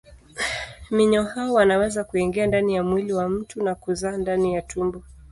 Minyoo hao wanaweza kuingia ndani ya mwili wa mtu na kuzaa ndani ya utumbo.